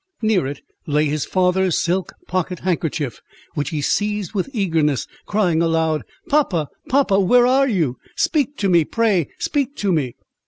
Near it lay his father's silk pocket handkerchief, which he seized with eagerness, crying aloud—"Papa, papa, where are you? speak to me, pray speak to me!"